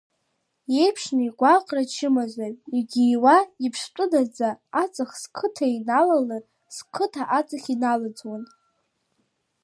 Иеиԥшны игәаҟра ачымазаҩ, игииуа иԥштәыдаӡа, аҵх, сқыҭа иналалар, сқыҭа аҵх иналаӡуан.